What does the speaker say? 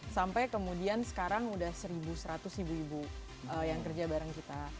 sampai kemudian sekarang sudah seribu seratus ibu ibu yang kerja bareng kita